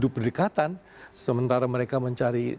berdekatan sementara mereka mencari